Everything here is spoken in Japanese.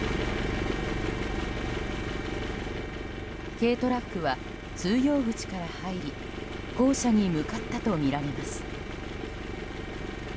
軽トラックは、通用口から入り校舎に向かったとみられます。